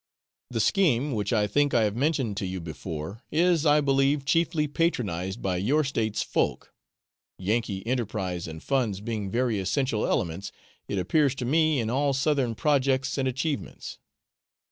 The scheme, which I think I have mentioned to you before, is, I believe, chiefly patronised by your States' folk Yankee enterprise and funds being very essential elements, it appears to me, in all southern projects and achievements.